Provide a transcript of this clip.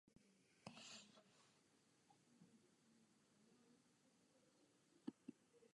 A small shopping mall is located on Rosedale Road.